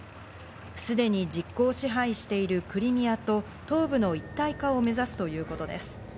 すでに実効支配しているクリミアと東部の一体化を目指すということです。